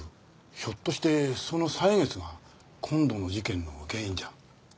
ひょっとしてその歳月が今度の事件の原因じゃ？